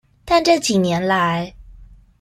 但這幾年來